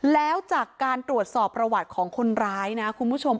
แล้วจากการตรวจสอบประวัติของคนร้ายนะคุณผู้ชม